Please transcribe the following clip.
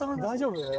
大丈夫？